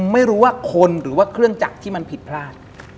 ไม่รู้ว่าคนหรือว่าเครื่องจักรที่มันผิดพลาด